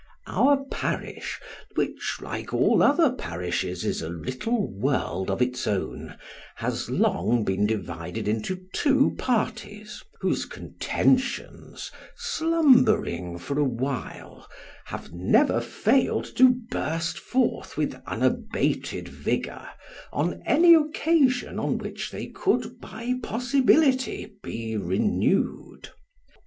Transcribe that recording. Our parish, which, like all other parishes, is a little world of its own, has long been divided into two parties, whose contentions, slum bering for a while, have never failed to burst forth with unabated vigour, on any occasion on which they could by possibility be renewed.